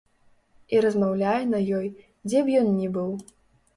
І размаўляе на ёй, дзе б ён ні быў.